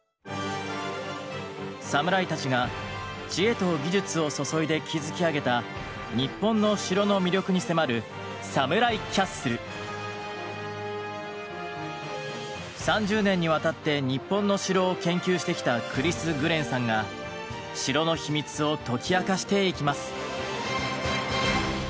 サムライたちが知恵と技術を注いで築き上げた日本の城の魅力に迫る３０年にわたって日本の城を研究してきたクリス・グレンさんが城の秘密を解き明かしていきます。